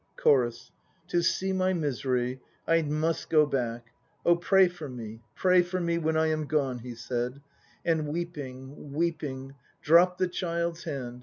... CHORUS. "To see my misery! I must go back. Oh pray for me; pray for me When I am gone," he said, And weeping, weeping, Dropped the child's hand.